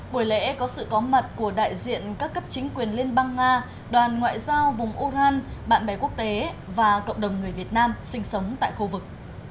buổi lễ có sự có mặt của đại diện các cấp chính quyền liên bang nga đoàn ngoại giao vùng urran bạn bè quốc tế và cộng đồng người việt nam sinh sống tại khu vực